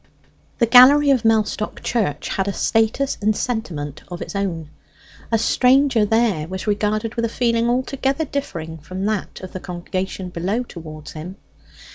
The gallery of Mellstock Church had a status and sentiment of its own. A stranger there was regarded with a feeling altogether differing from that of the congregation below towards him.